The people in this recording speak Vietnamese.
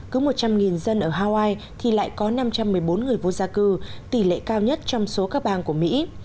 cứ một trăm linh dân ở hawaii thì lại có năm trăm một mươi bốn người vô gia cư tỷ lệ cao nhất trong số các bang của mỹ